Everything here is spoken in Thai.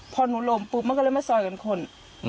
พอหนูลมก็เลยมาซอยนั้นคน